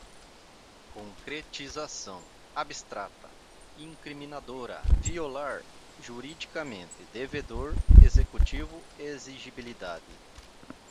concretização, abstrata, incriminadora, violar, juridicamente, devedor, executivo exigibilidade